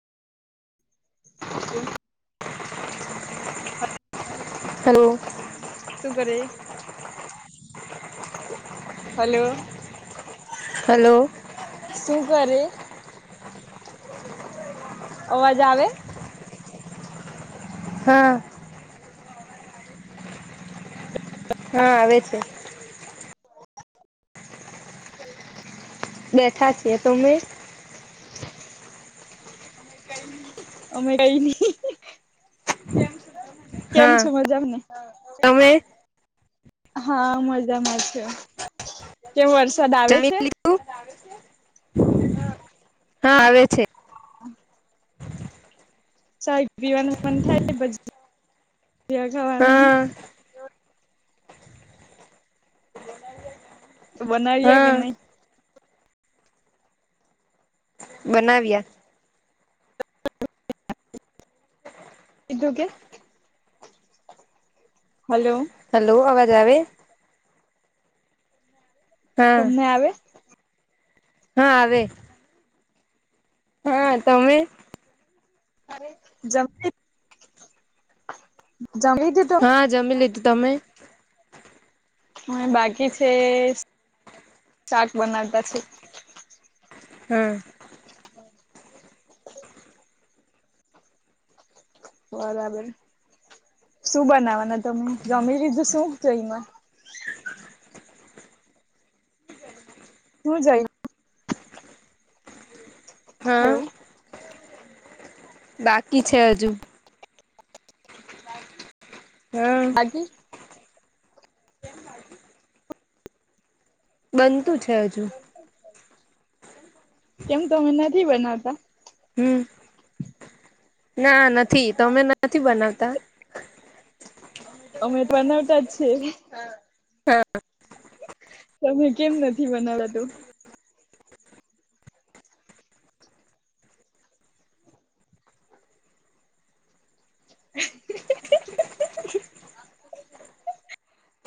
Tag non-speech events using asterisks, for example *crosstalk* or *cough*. હમ *inaudible* હ *inaudible* હલો *inaudible* શું કરે હલો *inaudible* હલો શું કરે *inaudible* *inaudible* અવાજ આવે *inaudible* હા *inaudible* હા આવે છે *inaudible* બેઠા છીએ તોમે *inaudible* અમે કઈ નહી *inaudible* *unintelligible* કેમ હા છું મજાને તમે હા મજામાં છે કેમ વરસાદ આવે જમી છે. લીધું હમ *inaudible* હા આવે છે *inaudible* હમ *inaudible* સા પીવાનું મન થાય ખાવાનું. હા તો બનાવી કે હા નહી. બનાવ્યા *inaudible* કું કે હલો હલો અવાજ આવે. હા તમને આવે. હા આવે. હા તમે. જમી જમીથી. હા જમી લીધું તમે હ બાકી છે શાક બનાવતા છે. હમ હમ બરાબર શું બનાવાના તમે જમી લીધું શું જો એમાં. તું જઈ હા એવું બાકી છે હજુ. હા બાજી બનતું છે હજુ. કેમ તો અમે નથી બનાવતા. હમ. ના નથી ત અમે નથી બનાવતા. અમેટ બનાવતા જ છે. હા તમે કેમ નથી બનાવા તું. *inaudible*